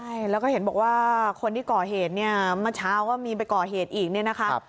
ใช่แล้วก็เห็นบอกว่าคนที่ก่อเหตุเนี่ยเมื่อเช้าก็มีไปก่อเหตุอีกเนี่ยนะคะ